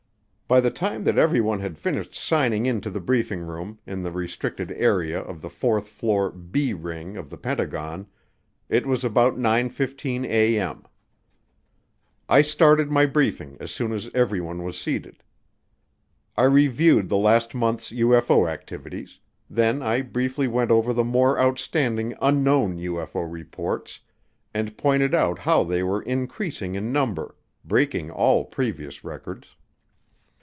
By the time that everyone had finished signing into the briefing room in the restricted area of the fourth floor "B" ring of the Pentagon, it was about 9:15A.M. I started my briefing as soon as everyone was seated. I reviewed the last month's UFO activities; then I briefly went over the more outstanding "Unknown" UFO reports and pointed out how they were increasing in number breaking all previous records.